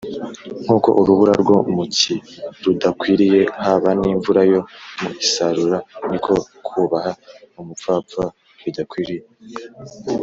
nk’uko urubura rwo mu cyi rudakwiriye, haba n’imvura yo mu isarura, ni ko kūbaha umupfapfa bidakwiriye